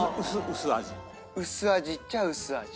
薄味っちゃ薄味。